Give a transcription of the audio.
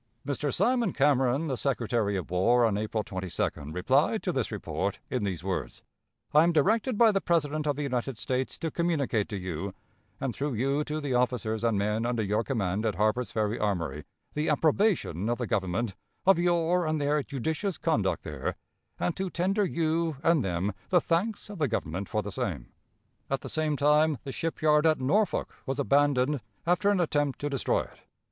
Mr. Simon Cameron, the Secretary of War, on April 22d replied to this report in these words: "I am directed by the President of the United States to communicate to you, and through you to the officers and men under your command at Harper's Ferry Armory, the approbation of the Government of your and their judicious conduct there, and to tender you and them the thanks of the Government for the same." At the same time the ship yard at Norfolk was abandoned after an attempt to destroy it.